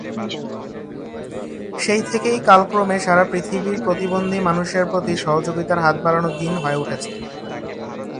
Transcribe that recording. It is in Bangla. সেই থেকেই কালক্রমে সারা পৃথিবীর প্রতিবন্ধী মানুষের প্রতি সহযোগিতার হাত বাড়ানোর দিন হয়ে উঠেছে।